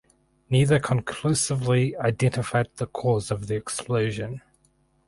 Neither conclusively identified the cause of the explosion.